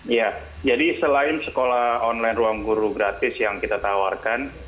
iya jadi selain sekolah online ruangguru gratis yang kita tawarkan